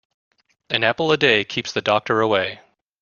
An apple a day keeps the doctor away.